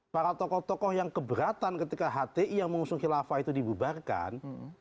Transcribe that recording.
para tokoh tokoh yang keberatan ketika hti yang mengusung khilafah itu dibubarkan